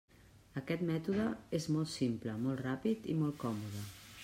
Aquest mètode és molt simple, molt ràpid i molt còmode.